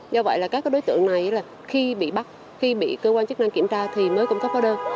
do vậy là các đối tượng này là khi bị bắt khi bị cơ quan chức năng kiểm tra thì mới cung cấp hóa đơn